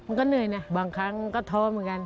มันก็เหนื่อยนะบางครั้งก็ท้อเหมือนกัน